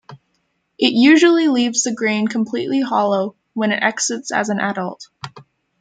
It usually leaves the grain completely hollow when it exits as an adult.